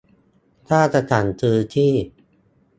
ถ้าจะสั่งซื้อที่